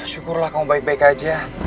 syukurlah kau baik baik aja